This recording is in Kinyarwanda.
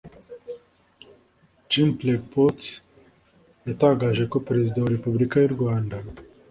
Chimpreports yatangaje ko Perezida wa Repubulika y’u Rwanda